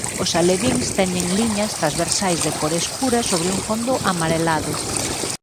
Os alevíns teñen liñas transversais de cor escuro sobre un fondo amarelado.